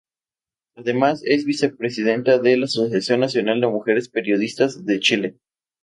Además es Vicepresidenta de la Asociación Nacional de Mujeres Periodistas de Chile.